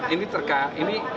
ini terkait ini